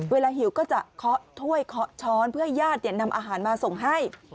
หิวก็จะเคาะถ้วยเคาะช้อนเพื่อให้ญาตินำอาหารมาส่งให้